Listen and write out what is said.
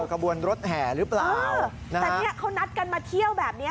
กระบวนรถแห่หรือเปล่าแต่เนี้ยเขานัดกันมาเที่ยวแบบเนี้ย